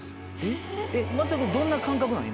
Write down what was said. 松田君どんな感覚なの？